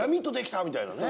みたいなね。